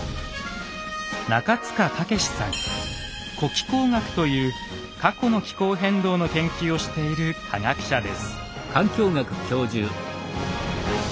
「古気候学」という過去の気候変動の研究をしている科学者です。